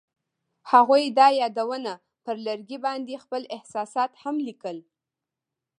هغوی د یادونه پر لرګي باندې خپل احساسات هم لیکل.